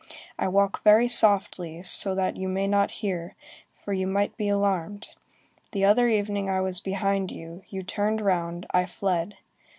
I walk very softly, so that you may not hear, for you might be alarmed. The other evening I was behind you, you turned round, I fled.